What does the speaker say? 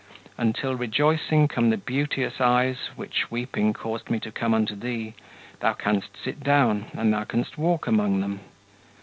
Until rejoicing come the beauteous eyes Which weeping caused me to come unto thee, Thou canst sit down, and thou canst walk among them.